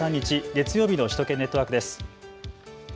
月曜日の首都圏ネットワークです。